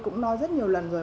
cũng nói rất nhiều lần rồi